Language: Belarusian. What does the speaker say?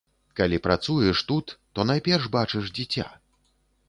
Калі працуеш тут, то найперш бачыш дзіця.